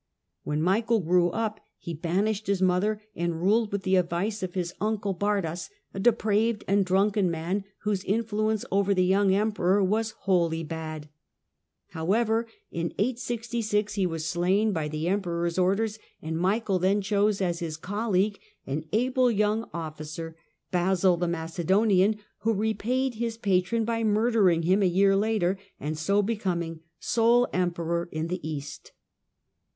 When Michael grew up he banished his lother and ruled with the advice of his uncle Bardas, depraved and drunken man, whose influence over the oung Emperor was wholly bad. However, in 866 he as slain by the Emperor's orders, and Michael then hose as his colleague an able young officer, Basil the lacedonian, who repaid his patron by murdering him a ear later, and so becoming sole Emperor in the East.